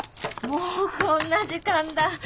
もうこんな時間だ。